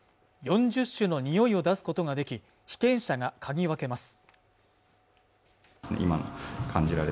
４０種のにおいを出すことができ被験者が嗅ぎ分けます